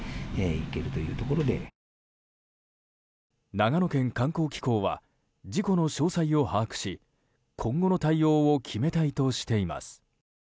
長野県観光機構は事故の詳細を把握し今後の対応を決めたいとしています。